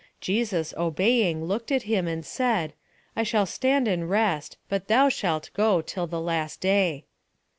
Jesus, obeying, looked at him, and said, 'I shall stand and rest, but thou shalt go till the last day.'